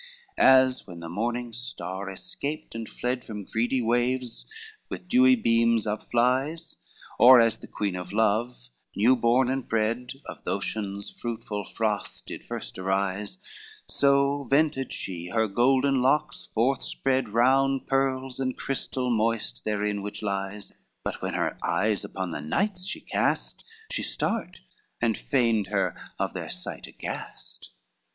LX As when the morning star, escaped and fled From greedy waves, with dewy beams up flies, Or as the Queen of Love, new born and bred Of the Ocean's fruitful froth, did first arise: So vented she her golden locks forth shed Round pearls and crystal moist therein which lies: But when her eyes upon the knights she cast, She start, and feigned her of their sight aghast.